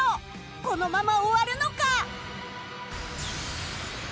このまま終わるのか！？